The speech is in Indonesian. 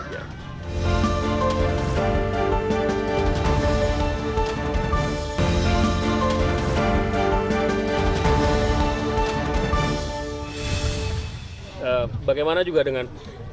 bagaimana juga dengan